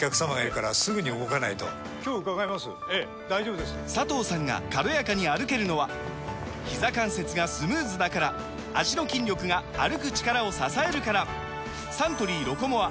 今日伺いますええ大丈夫です佐藤さんが軽やかに歩けるのはひざ関節がスムーズだから脚の筋力が歩く力を支えるからサントリー「ロコモア」！